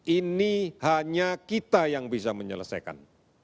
ini hanya kita yang bisa menyelesaikan